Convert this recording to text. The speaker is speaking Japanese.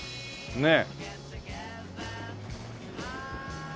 ねえ。